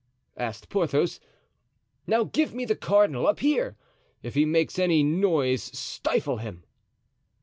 asked Porthos. "Now give me the cardinal up here; if he makes any noise stifle him."